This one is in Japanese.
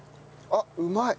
あっうまい！